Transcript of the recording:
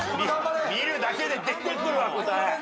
見るだけで出てくるわ答え。